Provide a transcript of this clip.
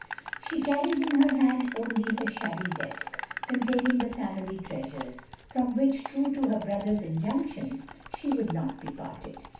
She carried in her hand only her shabby desk, containing the family treasures, from which, true to her brother's injunctions, she would not be parted.